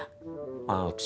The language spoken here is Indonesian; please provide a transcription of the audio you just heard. di sungai itu ada buaya